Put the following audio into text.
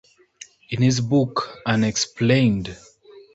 In his book Unexplained!